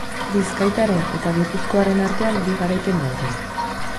Bizkaitarren eta gipuzkoarren artean bi garaipen daude.